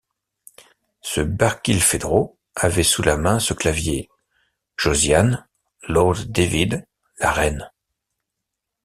Ce Barkilphedro avait sous la main ce clavier : Josiane, lord David, la reine.